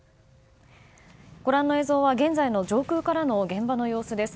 ご覧の映像はご覧の上空からの現場の様子です。